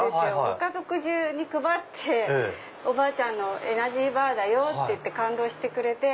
ご家族中に配って「おばあちゃんのエナジーバーだよ」って感動してくれて。